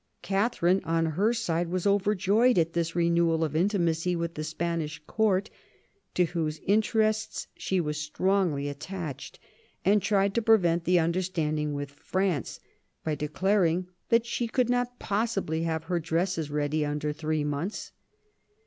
Katharine, on her side, was over joyed at this renewal of intimacy with the Spanish Court, to whose interests she was strongly attached, and tried to prevent the understanding with France, by declaring that she could not possibly have her dresses ready under three months.